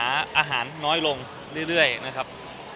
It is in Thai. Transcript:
อาหารน้อยลงเรื่อยนะครับ